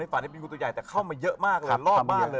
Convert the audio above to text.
ฝันเป็นงูตัวใหญ่แต่เข้ามาเยอะมากเลยรอบบ้านเลย